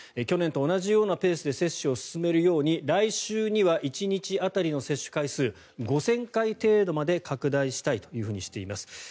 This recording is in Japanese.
去年と同じようなペースで接種を進めるように来週には１日当たりの接種回数５０００回程度まで拡大したいというふうにしています。